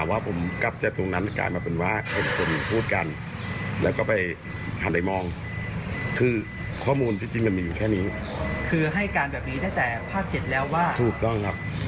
ว่ายังไงครับลองพูดอีกครั้งหนึ่ง